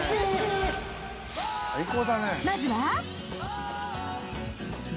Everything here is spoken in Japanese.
［まずは］